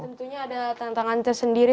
tentunya ada tantangan tersendiri